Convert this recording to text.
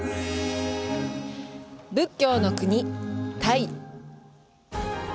仏教の国、タイ。